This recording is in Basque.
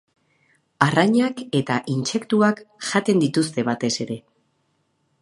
Arrainak eta intsektuak jaten dituzte batez ere.